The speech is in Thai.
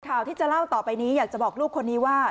ข่าวที่จะเล่าต่อไปนี้อยากจะบอกลูกคนนี้ว่า